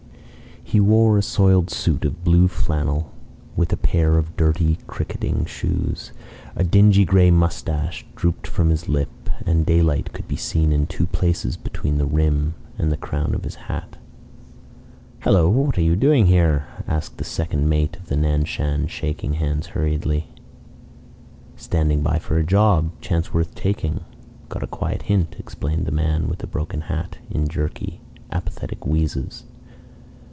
He wore a soiled suit of blue flannel with a pair of dirty cricketing shoes; a dingy gray moustache drooped from his lip, and daylight could be seen in two places between the rim and the crown of his hat. "Hallo! what are you doing here?" asked the ex second mate of the Nan Shan, shaking hands hurriedly. "Standing by for a job chance worth taking got a quiet hint," explained the man with the broken hat, in jerky, apathetic wheezes.